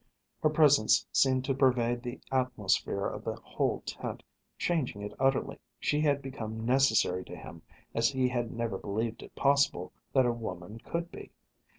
Her presence seemed to pervade the atmosphere of the whole tent, changing it utterly. She had become necessary to him as he had never believed it possible that a woman could be.